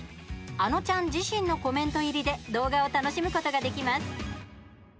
あのちゃん自身のコメント入りで動画を楽しむことができます。